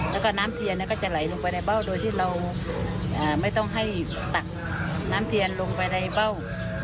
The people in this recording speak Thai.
แล้วก็น้ำเทียนก็จะไหลลงไปในเบ้าโดยที่เราไม่ต้องให้ตักน้ำเทียนลงไปในเบ้า